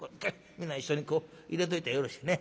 みんな一緒にこう入れといたらよろしいね。